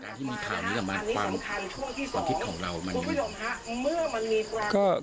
การที่มีข่าวนี้กับความคิดของเรามันยังไง